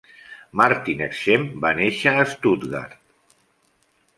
Martin Schempp va néixer a Stuttgart.